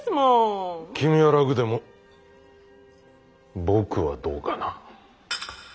君は楽でも僕はどうかな。